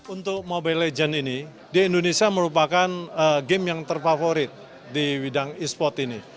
untuk mobile legends ini di indonesia merupakan game yang terfavorit di bidang e sport ini